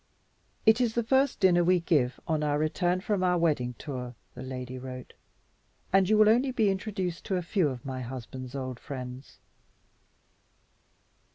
"It is the first dinner we give, on our return from our wedding tour" (the lady wrote); "and you will only be introduced to a few of my husband's old friends."